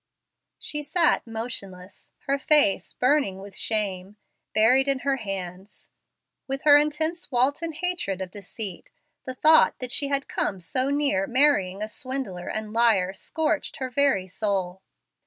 She sat motionless her face, burning with shame, buried in her hands. With her intense Walton hatred of deceit, the thought that she had come so near marrying a swindler and liar scorched her very soul.